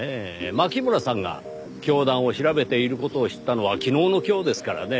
牧村さんが教団を調べている事を知ったのは昨日の今日ですからねぇ。